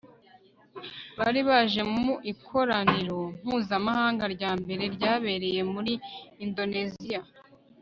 Bari baje mu ikoraniro mpuzamahanga rya mbere ryabereye muri Indoneziya